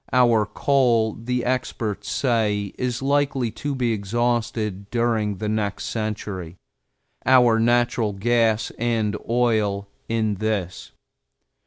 Our coal, the experts say, is likely to be exhausted during the next century, our natural gas and oil in this.